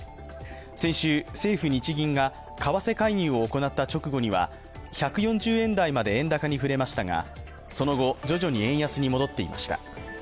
先週、政府・日銀が為替介入を行った直後には１４０円台まで円高に振れましたが、その後徐々に円安に戻っていました。